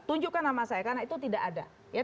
tunjukkan nama saya karena itu tidak ada